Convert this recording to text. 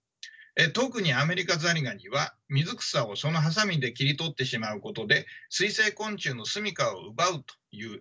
特にアメリカザリガニは水草をそのハサミで切り取ってしまうことで水生昆虫の住みかを奪うという影響までもたらします。